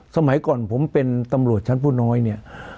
สมัยก่อนผมเป็นตำรวจชั้นผู้น้อยเนี่ย